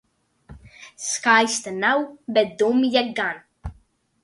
Skaista nav, bet dumja gan...